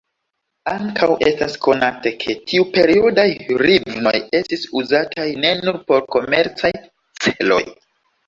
Ankaŭ estas konate, ke tiuperiodaj hrivnoj estis uzataj ne nur por komercaj celoj.